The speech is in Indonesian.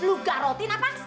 lu garotin apa hah